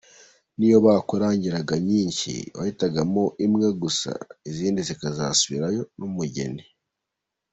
niyo bakuzaniraga nyinshi, wahitagamo imwe izindi zikazasubiranayo n’umugeni.